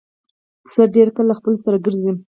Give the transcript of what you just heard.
پسه ډېر کله له خپلو سره ګرځي.